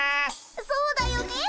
そうだよねえ。